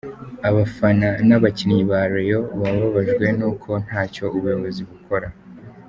Abafana n’abakinnyi ba Rayon bababajwe n’uko nta cyo ubuyobozi bukora.